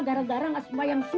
gara gara nggak sembahyang subuh